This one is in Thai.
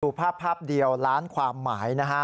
ภาพภาพเดียวล้านความหมายนะฮะ